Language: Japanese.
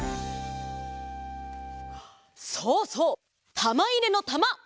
そうそう！たまいれのたま！